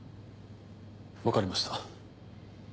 分かりました。